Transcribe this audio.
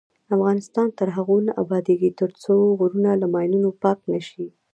افغانستان تر هغو نه ابادیږي، ترڅو غرونه له ماینونو پاک نشي.